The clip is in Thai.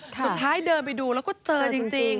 เดินไปดูแล้วก็เจอจริง